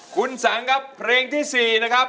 คุณสังครับเพลงที่๔นะครับ